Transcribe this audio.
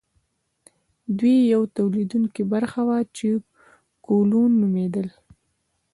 دوی یوه تولیدونکې برخه وه چې کولون نومیدل.